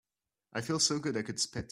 I feel so good I could spit.